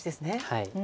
はい。